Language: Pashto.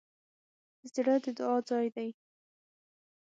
زړه د دعا ځای دی.